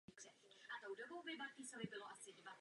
Palác v současnosti vlastní město Praha.